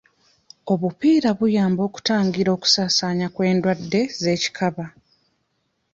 Obupiira buyamba okutangira okusaasaanya kw'endwadde z'ekikaba.